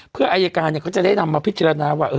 เพื่ออายการเขาจะได้นำมาพิจารณาว่า